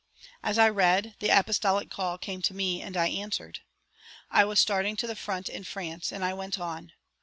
As I read, the apostolic call came to me and I answered. I was starting to the front in France, and I went on.